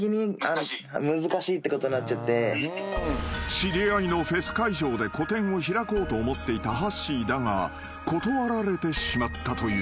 ［知り合いのフェス会場で個展を開こうと思っていたはっしーだが断られてしまったという］